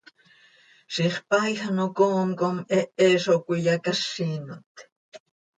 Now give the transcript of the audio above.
Ziix paaij ano coom com hehe zo cöiyacázinot.